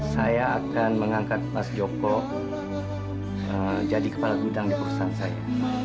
saya akan mengangkat mas joko jadi kepala gudang di perusahaan saya